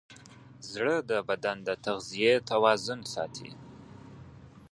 زړه د بدن د تغذیې توازن ساتي.